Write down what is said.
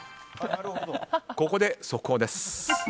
ここで速報です。